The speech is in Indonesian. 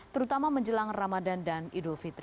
terutama menjelang ramadan dan idul fitri